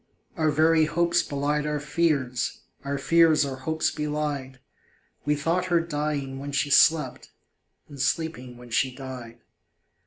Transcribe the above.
Our very hopes belied our fears, Our fears our hopes belied We thought her dying when she slept, And sleeping when she died.